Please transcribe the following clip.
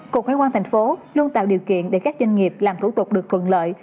cục hải quan tp hcm luôn tạo điều kiện để các doanh nghiệp làm thủ tục được thuận lợi